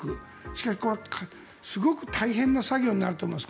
しかし、すごく大変な作業になると思います。